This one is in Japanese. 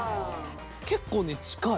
結構ね近い。